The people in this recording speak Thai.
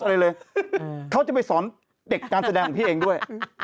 อะไรเลยเขาจะไปสอนเด็กการแสดงของพี่เองด้วย